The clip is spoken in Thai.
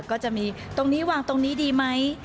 ก็จะมีตรงนี้วางตรงนี้ดีไหม